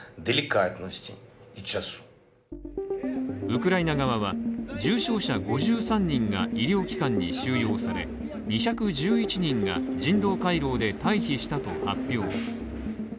ウクライナ側は重傷者５３人が医療機関に収容され、２１１人が人道回廊で退避したと発表。